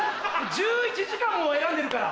１１時間も選んでるから。